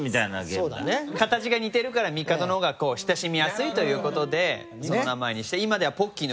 形が似てるからミカドの方が親しみやすいという事でその名前にして今ではあっそうなの？